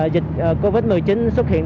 dịch covid một mươi chín xuất hiện